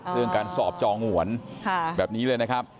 เรื่องการสอบจองวนแบบนี้เลยนะครับ